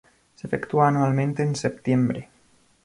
Se efectúa anualmente en septiembre.